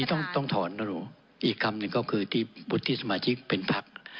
อันนี้ต้องถอนนะหนูอีกคำนี้ก็คือที่อุทธิสมาชิกเป็นภักร์